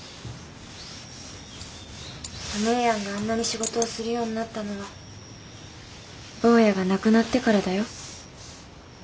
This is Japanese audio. お姉やんがあんなに仕事をするようになったのは坊やが亡くなってからだよ。